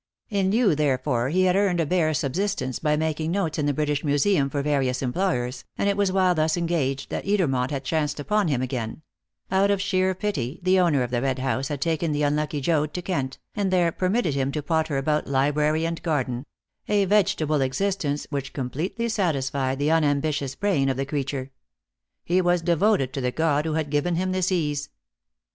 In lieu thereof he had earned a bare subsistence by making notes in the British Museum for various employers, and it was while thus engaged that Edermont had chanced upon him again; out of sheer pity the owner of the Red House had taken the unlucky Joad to Kent, and there permitted him to potter about library and garden a vegetable existence which completely satisfied the unambitious brain of the creature. He was devoted to the god who had given him this ease.